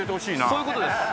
そういう事です。